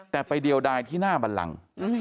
แต่ไปเดียวดายที่หน้าบันลัง